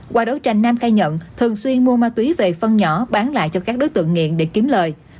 qua đấu tranh nam khai nhận thường xuyên mua ma túy về phân nhỏ bán lại cho các đối tượng nghiện để kiếm lời